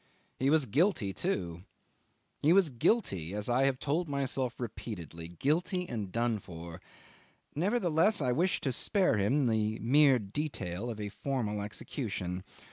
He was guilty too. He was guilty as I had told myself repeatedly, guilty and done for; nevertheless, I wished to spare him the mere detail of a formal execution.